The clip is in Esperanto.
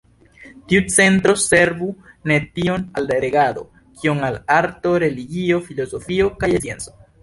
Tiu centro servu ne tiom al regado kiom al arto, religio, filozofio kaj scienco.